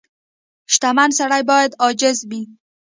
• شتمن سړی باید عاجز وي.